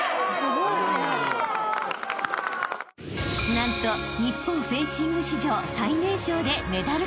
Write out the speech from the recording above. ［何と日本フェンシング史上最年少でメダル獲得］